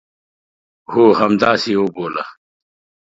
هو، همداسي یې وبوله